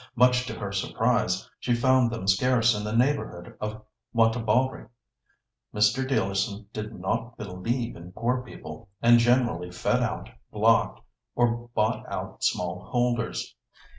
Much to her surprise, she found them scarce in the neighbourhood of Wantabalree. Mr. Dealerson did not 'believe in' poor people, and generally 'fed out,' 'blocked,' or bought out small holders.